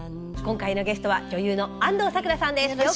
今回のゲストは女優の安藤サクラさんです。